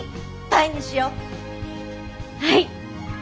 はい！